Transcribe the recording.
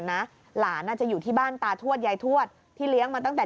หลานอาจจะอยู่ที่บ้านตาทวดยายทวดที่เลี้ยงมาตั้งแต่